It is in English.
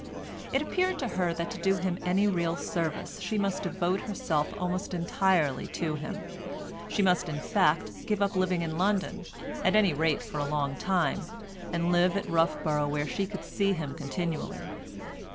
It appeared to her that to do him any real service she must devote herself almost entirely to him; she must in fact give up living in London, at any rate for a long time, and live at Roughborough where she could see him continually.